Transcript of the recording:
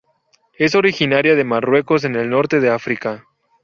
Es originaria de Marruecos, en el Norte de África.